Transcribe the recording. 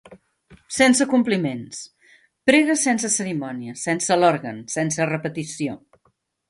Sense compliments, prega sense cerimònia, sense l'òrgan, sense repetició.